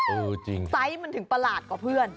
เออจริงค่ะสไตล์มันถึงปลาดกว่าเพื่อน